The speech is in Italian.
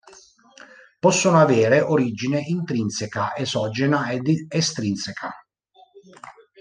Possono avere origine intrinseca, esogena ed estrinseca.